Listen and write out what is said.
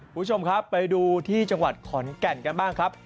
คุณผู้ชมครับไปดูที่จังหวัดขอนแก่นกันบ้างครับ